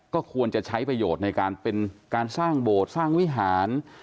ก็ควรจะใช้ประโยชน์ในการเป็นการสร้างโบสถ์สร้างวิหาร